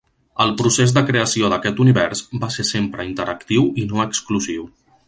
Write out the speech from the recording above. El procés de creació d'aquest univers va ser sempre interactiu i no exclusiu.